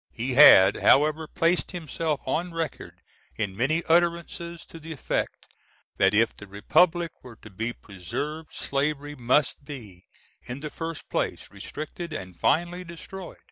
He had, however, placed himself on record in many utterances to the effect that if the republic were to be preserved, slavery must be, in the first place, restricted, and finally destroyed.